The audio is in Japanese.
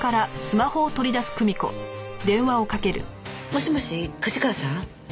もしもし加治川さん？